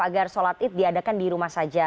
agar sholat id diadakan di rumah saja